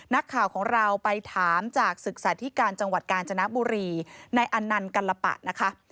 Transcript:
นักข่าวของเราไปถามจากศึกษาธิการจังหวัดกาญจนบุรีในอันนันต์กัลปะนะคะ